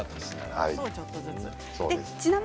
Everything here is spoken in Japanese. そうちょっとずつ。